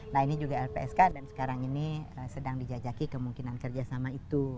nah ini juga lpsk dan sekarang ini sedang dijajaki kemungkinan kerjasama itu